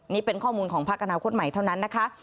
นี่เป็นข้อมูลของพักอนาคตใหม่เท่านั้นนะคะ